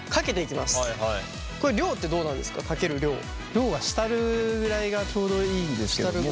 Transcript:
量は浸るぐらいがちょうどいいんですけれども。